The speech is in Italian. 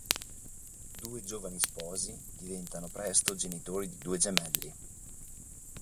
Due giovani sposi diventano presto genitori di due gemelli.